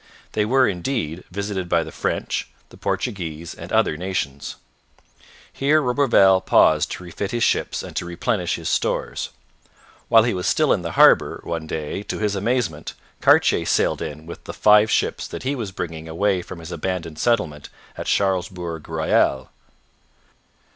They were, indeed, visited by the French, the Portuguese, and other nations. Here Roberval paused to refit his ships and to replenish his stores. While he was still in the harbour, one day, to his amazement, Cartier sailed in with the five ships that he was bringing away from his abandoned settlement at Charlesbourg Royal.